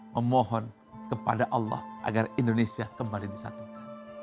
memohon kepada allah agar indonesia kembali disatukan